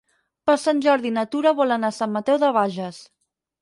Per Sant Jordi na Tura vol anar a Sant Mateu de Bages.